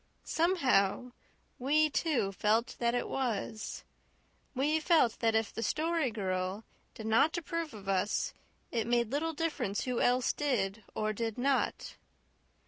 Somehow, we, too, felt that it was. We felt that if the Story Girl did not approve of us it made little difference who else did or did not.